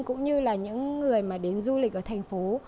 cũng như là những người mà đến du lịch ở thành phố